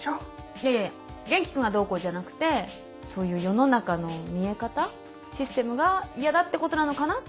いやいや元気君がどうこうじゃなくてそういう世の中の見え方システムが嫌だってことなのかなって。